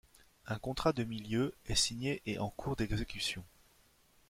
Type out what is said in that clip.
Un contrat de milieu est signé et en cours d'exécution.